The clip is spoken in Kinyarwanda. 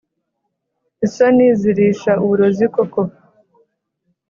isoni zirisha uburozi koko